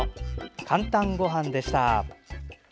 「かんたんごはん」でした。